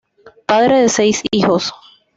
Padre de seis hijos.